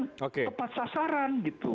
tepat sasaran gitu